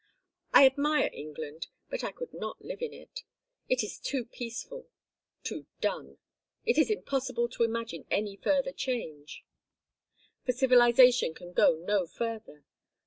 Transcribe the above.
I admire England, but I could not live in it. It is too peaceful, too done. It is impossible to imagine any further change, for civilization can go no further.